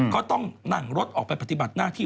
ก็ต้องนั่งรถออกไปปฏิบัติหน้าที่